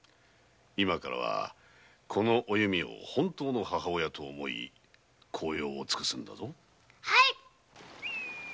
今からはお弓を本当の母親と思い孝養を尽くすのだぞ。